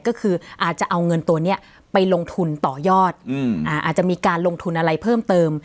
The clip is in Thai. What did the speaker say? ก็คืออาจจะเอาเงินตัวนี้ไปลงทุนต่อยอดอาจจะมีการลงทุนอะไรเพิ่มเติม